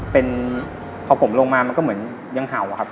เป็นพอผมลงมามันก็เหมือนยังเห่าอะครับ